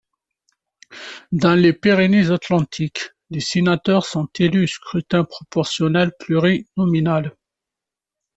Dans les Pyrénées-Atlantiques, les sénateurs sont élus au scrutin proportionnel plurinominal.